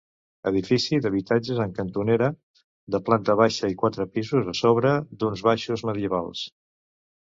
Edifici d'habitatges en cantonera, de planta baixa i quatre pisos a sobre d'uns baixos medievals.